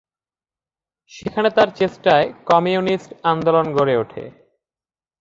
সেখানে তার চেষ্টায় কমিউনিস্ট আন্দোলন গড়ে ওঠে।